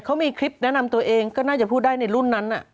เขามีคลิปแนะนำตัวเองก็น่าจะพูดได้ในรุ่นนั้น